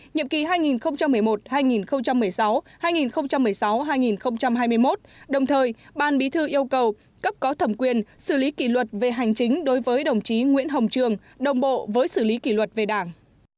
nhiệm kỳ hai nghìn một mươi một hai nghìn một mươi sáu hai nghìn một mươi sáu hai nghìn hai mươi một đồng thời ban bí thư yêu cầu cấp có thẩm quyền xử lý kỷ luật về hành chính đối với đồng chí nguyễn hồng trường đồng bộ với xử lý kỷ luật về đảng